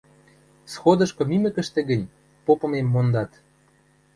Сходышкы мимӹкӹштӹ гӹнь, попымем мондат.